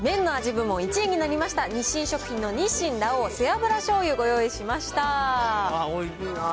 部門１位になりました、日清食品の日清ラ王背脂醤油、ご用意しました。